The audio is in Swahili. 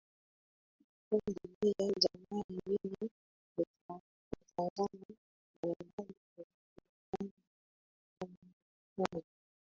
vikundi vya jamii vina mitazamo mbalimbali kuhusu ugonjwa wa ukimwi